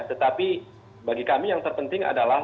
tetapi bagi kami yang terpenting adalah